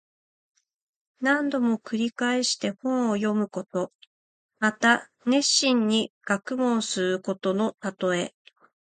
何度も繰り返して本を読むこと。また熱心に学問することのたとえ。